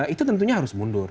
itu tentunya harus mundur